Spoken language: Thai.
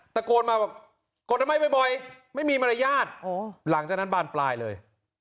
ตะโกนมาบอกกดอนามัยบ่อยไม่มีมารยาทหลังจากนั้นบานปลายเลย